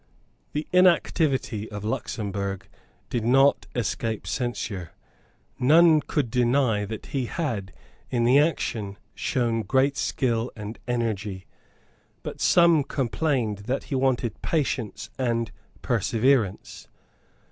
The inactivity of Luxemburg did not escape censure. None could deny that he had in the action shown great skill and energy. But some complained that he wanted patience and perseverance.